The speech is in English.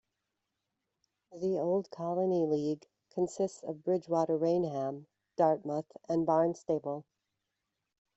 The Old Colony League consists of Bridgewater-Raynham, Dartmouth, and Barnstable.